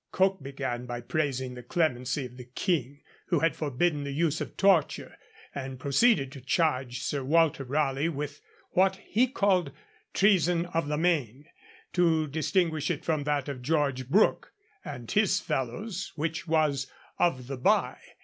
Coke began by praising the clemency of the King, who had forbidden the use of torture, and proceeded to charge Sir Walter Raleigh with what he called 'treason of the Main,' to distinguish it from that of George Brooke and his fellows, which was 'of the Bye.'